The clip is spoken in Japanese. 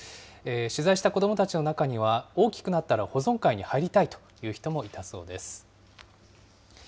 取材した子どもたちの中には、大きくなったら保存会に入りたいという人もいたそうです。